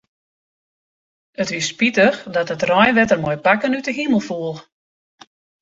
It wie spitich dat it reinwetter mei bakken út 'e himel foel.